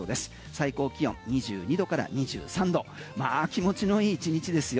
最高気温２２度から２３度気持ちの良い１日ですよ。